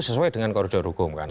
sesuai dengan koridor hukum kan